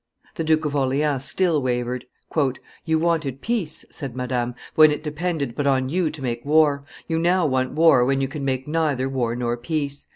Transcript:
The Duke of Orleans still wavered. "You wanted peace," said Madame, "when it depended but on you to make war; you now want war when you can make neither war nor peace.